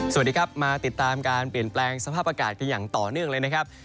สวัสดีครับมาติดตามการเปลี่ยนแปลงสภาพอากาศกันอย่างต่อเนื่องเลยนะครับ